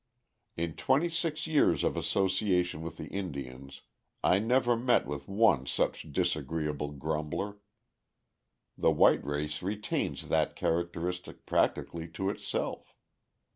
In twenty six years of association with the Indians, I never met with one such disagreeable grumbler. The white race retains that characteristic practically to itself.